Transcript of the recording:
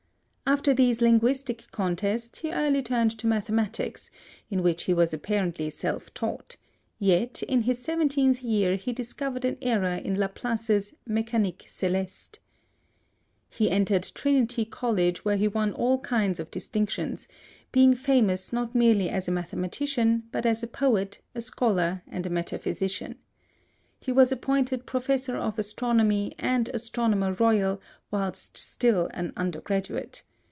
After these linguistic contests, he early turned to mathematics, in which he was apparently self taught; yet, in his seventeenth year he discovered an error in Laplace's Mécanique Céleste. He entered Trinity College where he won all kinds of distinctions, being famous not merely as a mathematician, but as a poet, a scholar, and a metaphysician. He was appointed Professor of Astronomy and Astronomer Royal whilst still an undergraduate.